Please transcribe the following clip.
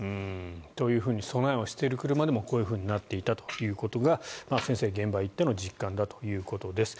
というふうに備えをしている車でもこうなっていたということが先生、現場に行っての実感だということです。